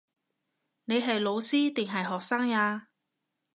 你係老師定係學生呀